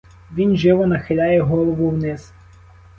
Він живо нахиляє голову вниз.